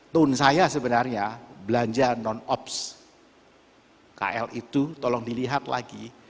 tone saya sebenarnya belanja non ops kl itu tolong dilihat lagi